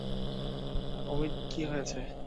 অমিত, কি হয়েছে?